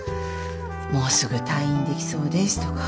「もうすぐ退院できそうです」とか。